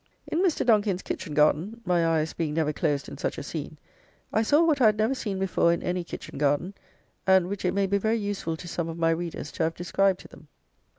In Mr. Donkin's kitchen garden (my eyes being never closed in such a scene) I saw what I had never seen before in any kitchen garden, and which it may be very useful to some of my readers to have described to them.